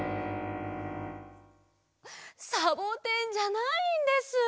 サボテンじゃないんです。